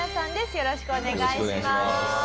よろしくお願いします。